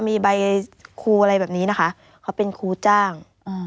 มีใบครูอะไรแบบนี้นะคะเขาเป็นครูจ้าง